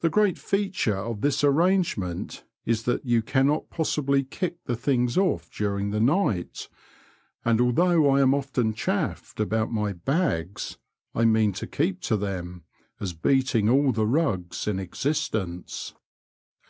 The great feature of this arrangement is that you cannot possibly kick the things off during the night, and although I am often chaffed about my bags," I mean to keep to them, as beating all the rugs in existence.